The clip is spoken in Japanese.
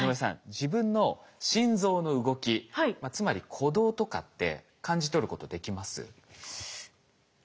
自分の心臓の動きつまり鼓動とかって感じ取ることできます？